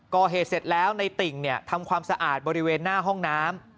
ก่อเหตุเสร็จแล้วในติ่งทำความสะอาดบริเวณหน้าห้องน้ำ